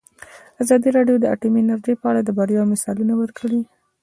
ازادي راډیو د اټومي انرژي په اړه د بریاوو مثالونه ورکړي.